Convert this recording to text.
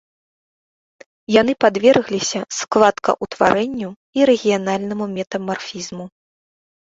Яны падвергліся складкаўтварэнню і рэгіянальнаму метамарфізму.